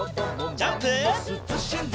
ジャンプ！